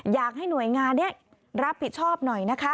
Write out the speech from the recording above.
อยากให้หน่วยงานนี้รับผิดชอบหน่อยนะคะ